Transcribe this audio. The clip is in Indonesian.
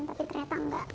tapi ternyata nggak